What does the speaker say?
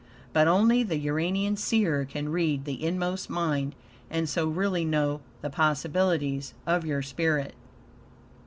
But only the Uranian seer can read the inmost mind, and so really know the possibilities of your spirit.